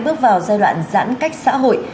bước vào giai đoạn giãn cách xã hội